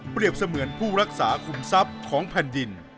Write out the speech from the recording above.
เสมือนผู้รักษาคุมทรัพย์ของแผ่นดิน